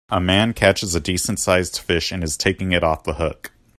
A man catches a decent sized fish and is taking it off the hook